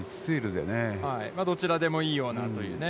どちらでもいいような。